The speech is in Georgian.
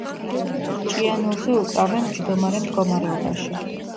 ჭიანურზე უკრავენ მჯდომარე მდგომარეობაში.